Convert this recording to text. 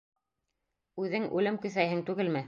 — Үҙең үлем көҫәйһең түгелме?